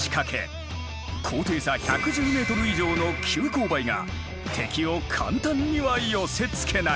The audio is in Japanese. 高低差１１０ｍ以上の急勾配が敵を簡単には寄せつけない。